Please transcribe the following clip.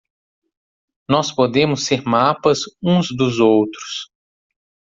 Nós podemos ser mapas uns dos outros